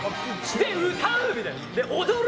で、歌う！みたいな踊る！